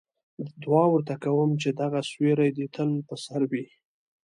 دعا ورته کوم چې دغه سیوری دې تل په سر وي.